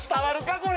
これ。